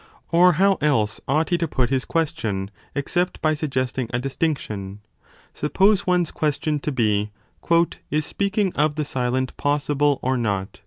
Or how else ought he to put his question except by suggesting a distinction suppose one s question to be Is speaking of the silent possible or not